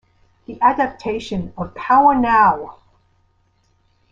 The adaptation of PowerNow!